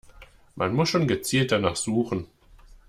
Man muss schon gezielt danach suchen.